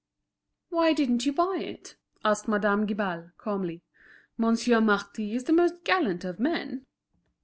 "Why didn't you buy it?" asked Madame Guibal, calmly. "Monsieur Marty is the most gallant of men."